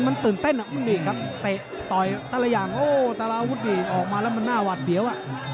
มันตื่นเต้นมันดีครับเตะต่อยตลาดอย่างตลาดอาวุธดีออกมาแล้วมันหน้าวาดเสียว